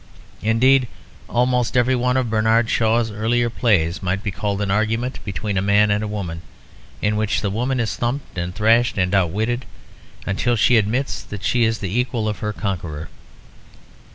Indeed, almost every one of Bernard Shaw's earlier plays might be called an argument between a man and a woman, in which the woman is thumped and thrashed and outwitted until she admits that she is the equal of her conqueror.